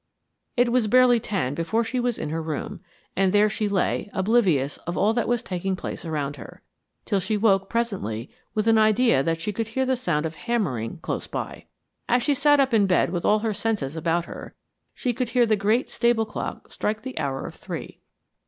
It was barely ten before she was in her room, and there she lay, oblivious of all that was taking place around her, till she woke presently with an idea that she could hear the sound of hammering close by. As she sat up in bed with all her senses about her, she could hear the great stable clock strike the hour of three.